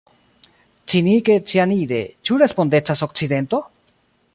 Cinike cianide – ĉu respondecas Okcidento?